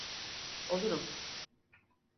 Olurum.